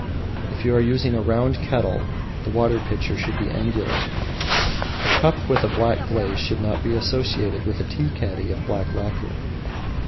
If you are using a round kettle, the water pitcher should be angular. A cup with a black glaze should not be associated with a tea caddy of black lacquer.